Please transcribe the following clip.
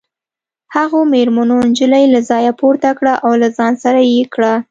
هغو مېرمنو نجلۍ له ځایه پورته کړه او له ځان سره یې کړه